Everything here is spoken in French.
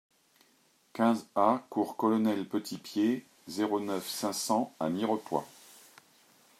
quinze A cours Colonel Petitpied, zéro neuf, cinq cents à Mirepoix